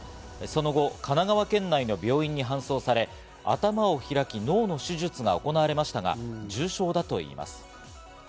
その後、神奈川県内の病院に搬送され、頭を開き、脳の手術が行われましたが重傷だといいます。